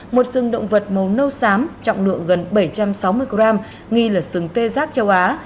một sừng động vật màu nâu xám trọng lượng gần bảy trăm sáu mươi gram nghi là sừng tê giác châu á